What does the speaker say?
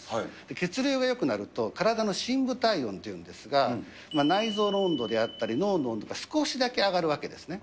血流がよくなると、体の深部体温というんですか、内臓の温度であったり、脳の温度が少しだけ上がるわけですね。